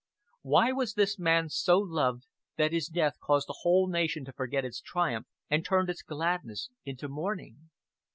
Why was this man so loved that his death caused a whole nation to forget its triumph, and turned its gladness into mourning?